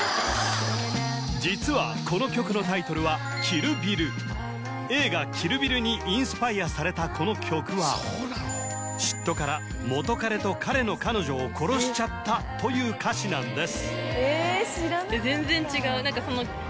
実はこの曲のタイトルは映画「ＫＩＬＬＢＩＬＬ」にインスパイアされたこの曲は嫉妬から元カレと彼の彼女を殺しちゃったという歌詞なんです